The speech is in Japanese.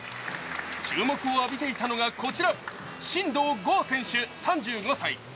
注目を浴びていたのがこちら、真道ゴー選手、３５歳。